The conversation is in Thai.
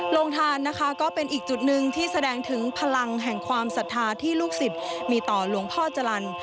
ลงทานนะคะก็เป็นอีกจุดหนึ่งที่แสดงถึงพลังแห่งความศรัทธาที่ลูกศิษย์มีต่อหลวงพ่อจรรย์